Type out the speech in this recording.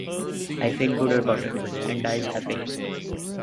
I feel good about it, and dies happily.